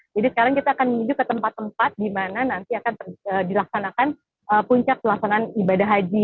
jadi sekarang kita akan menuju ke tempat tempat di mana nanti akan dilaksanakan puncak pelaksanaan ibadah haji